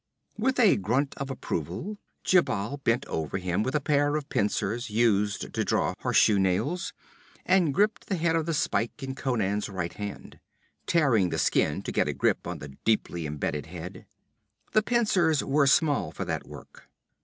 With a grunt of approval Djebal bent over him with a pair of pincers used to draw horse shoe nails, and gripped the head of the spike in Conan's right hand, tearing the skin to get a grip on the deeply embedded head. The pincers were small for that work.